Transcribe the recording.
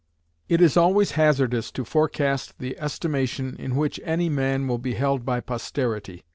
It is always hazardous to forecast the estimation in which any man will be held by posterity.